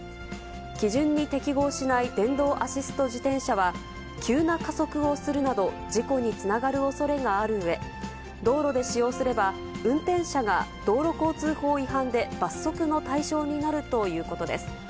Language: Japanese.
基準に適合しない電動アシスト自転車は、急な加速をするなど、事故につながるおそれがあるうえ、道路で使用すれば、運転者が道路交通法違反で罰則の対象になるということです。